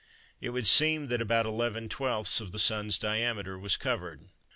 It would seem that about 11/12ths of the Sun's diameter was covered.